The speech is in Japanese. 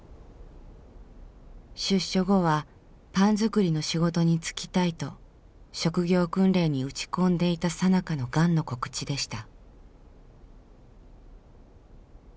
出所後はパン作りの仕事に就きたいと職業訓練に打ち込んでいたさなかのがんの告知でした。